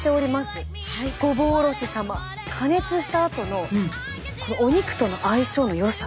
加熱したあとのお肉との相性のよさ。